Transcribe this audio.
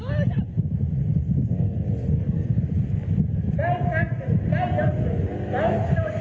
第３区第４区第１走者。